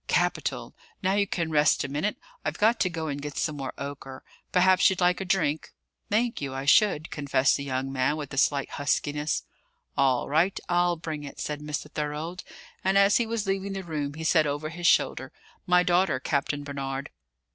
"Capital! Now you can rest a minute. I've got to go and get some more ochre. Perhaps you'd like a drink?" "Thank you; I should," confessed the young man, with a slight huskiness. "All right; I'll bring it," said Mr. Thorold; and, as he was leaving the room, he said over his shoulder, "My daughter; Captain Barnard."